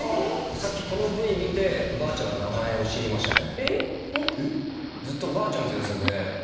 さっきこのＶ見ておばあちゃんの名前を知りましたねえっ？えっ？